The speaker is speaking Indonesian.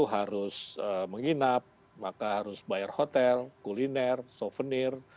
harus menginap maka harus bayar hotel kuliner souvenir